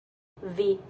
Vi!!!